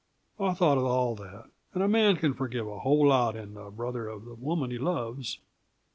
I've thought of all that; and a man can forgive a whole lot in the brother of the woman he loves."